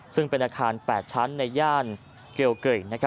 ซึ่งเป็นอาคาร๘ชั้นในย่านเกลเกย